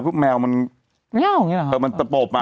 พรุ่งแมวมันไม่เอาอย่างเงี้ยเหรออ่ะมันตะโปบอ่ะ